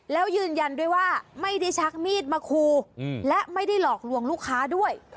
แล้วยืนยันด้วยว่าไม่ได้ชักมีดมาคูและไม่ได้หลอกลวงลูกค้าด้วย